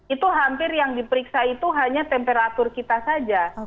itu hampir yang diperiksa itu hanya temperatur kita saja